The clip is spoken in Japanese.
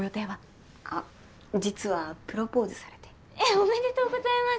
おめでとうございます！